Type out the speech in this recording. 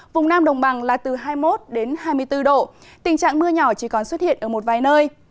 vùng nam đồng bằng là từ hai mươi một đến hai mươi bốn độ tình trạng mưa nhỏ chỉ còn xuất hiện ở một vài nơi